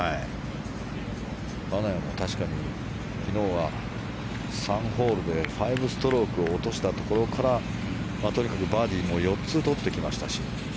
金谷も確かに、昨日は３ホールで５ストロークを落としたところからとにかくバーディーも４つとってきましたし。